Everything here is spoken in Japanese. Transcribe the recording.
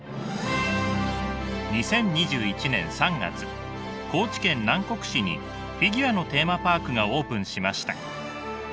２０２１年３月高知県南国市にフィギュアのテーマパークがオープンしました。